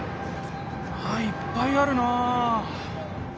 いっぱいあるな！